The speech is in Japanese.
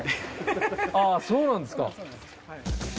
あぁそうなんですか。